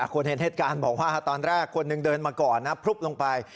คนเห็นเหตุการณ์บอกว่าตอนแรกคนหนึ่งเดินมาก่อนนะพลุบลงไป